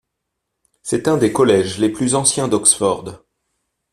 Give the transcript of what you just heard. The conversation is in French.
C'est l'un des collèges les plus anciens d'Oxford.